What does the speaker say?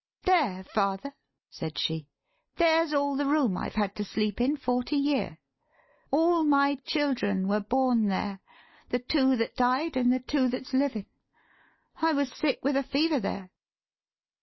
"There, father," said she "there's all the room I've had to sleep in forty year. All my children were born there the two that died, an' the two that's livin'. I was sick with a fever there."